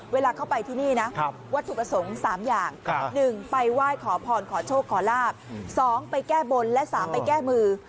เวลาเข้าไปที่นี่นะวัตถุประสงค์๓อย่าง๑ไปไหว้ขอพรขอโชคขอลาบ๒ไปแก้บนและ๓ไปแก้มือ